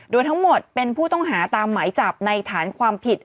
โดยทั้งหมดเป็นผู้ต้องหาตามหมายจับในฐานความผิด